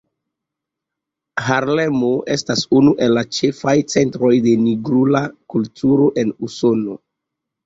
Harlemo estas unu el la ĉefaj centroj de nigrula kulturo en Usono.